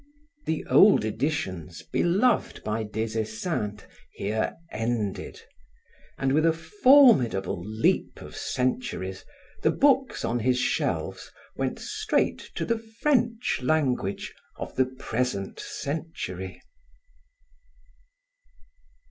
The old editions, beloved by Des Esseintes, here ended; and with a formidable leap of centuries, the books on his shelves went straight to the French language of the present century.